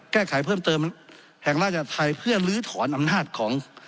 แก้ไขเพิ่มเติมแห่งราชไทยเพื่อลื้อถอนอำนาจของ